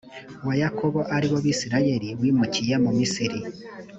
wa yakobo ari bo bisirayeli wimukiye mu misiri